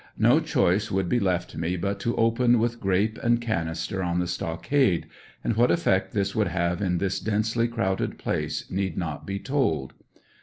No choice would be left me but to open with grape and cannister on the stockade, and what effect this would have in this densely crowded place need not be told.